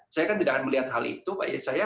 saya kan tidak akan melihat hal itu pak yesaya